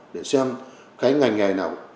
để xem cái ngành ngày nào